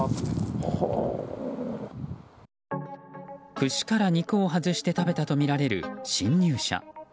串から肉を外して食べたとみられる侵入者。